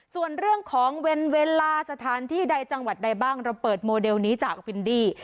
ส่วนเรื่องของเวลาสถานที่ใดจังหวัดใดบ้างเราเปิดโมเดลนี้จากวินดี้